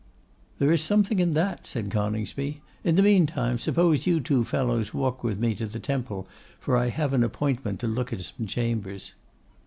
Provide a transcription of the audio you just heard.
'There is something in that,' said Coningsby. 'In the meantime, suppose you two fellows walk with me to the Temple, for I have an appointment to look at some chambers.